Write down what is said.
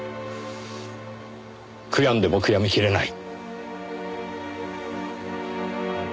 悔やんでも悔やみきれない！